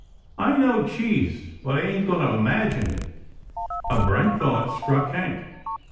I know cheese, but I ain't going to imagine it.' " A bright thought struck Hank.